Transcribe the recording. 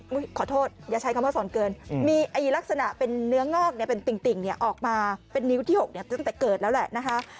ขอโทษอย่าใช้คำว่าสอนเกินมีลักษณะเป็นเนื้องอกเนี่ยเป็นติ่งเนี่ยออกมาเป็นนิ้วที่๖ตั้งแต่เกิดแล้วแหละนะคะ